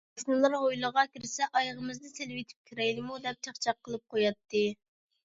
قوشنىلار ھويلىغا كىرسە: «ئايىغىمىزنى سېلىۋېتىپ كىرەيلىمۇ؟ » دەپ چاقچاق قىلىپ قوياتتى.